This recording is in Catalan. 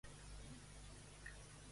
Qui va ser Procne?